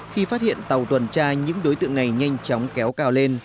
khi phát hiện tàu tuần tra những đối tượng này nhanh chóng kéo cao lên